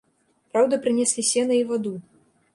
Праўда, прынеслі сена і ваду.